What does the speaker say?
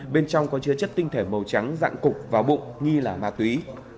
bên trong có chứa chất tinh thể màu trắng dạng cục và bụng nghi là ma túy